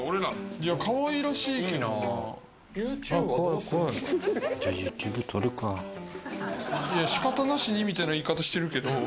いや仕方なしにみたいな言い方してるけど。